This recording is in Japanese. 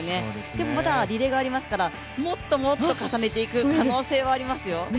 でもまだリレーがありますからもっともっと重ねていく可能性はありますよ。